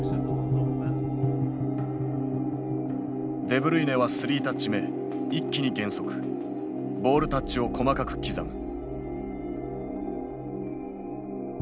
デブルイネはスリータッチ目一気に減速ボールタッチを細かく刻む。